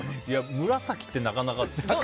紫ってなかなかですね。